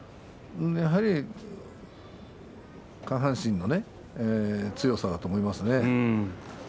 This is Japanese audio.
やはり下半身の強さだと思いますね。